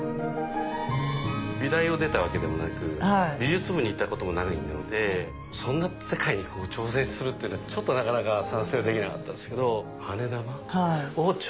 美大を出たわけでもなく美術部にいたこともないのでそんな世界に挑戦するっていうのはなかなか賛成できなかったですけど。